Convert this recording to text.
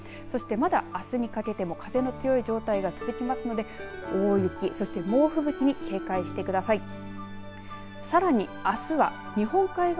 そしてまだ、あすにかけても風の強い状態が続きますので大雪そして猛吹雪に警戒してください。